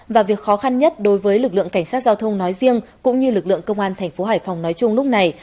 và việc khó khăn nhất đối với lực lượng cảnh sát giao thông nói riêng cũng như lực lượng công an thành phố hải phòng nói chung lúc này